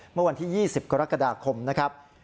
เมื่อวันที่๒๐กรกฎาคมนะครับ